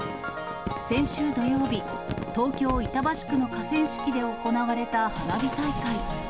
先週土曜日、東京・板橋区の河川敷で行われた花火大会。